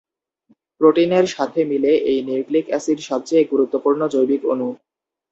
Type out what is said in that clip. প্রোটিনের সাথে মিলে এই নিউক্লিক এসিড সবচেয়ে গুরুত্বপূর্ণ জৈবিক অণু।